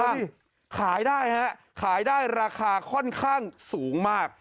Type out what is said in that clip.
สี่ปีเยี่ยมเลยนะขายได้ราคาค่อนข้างสูงมาก